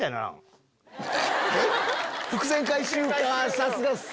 さすがっす！